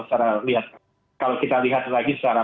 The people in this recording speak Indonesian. secara lihat kalau kita lihat lagi secara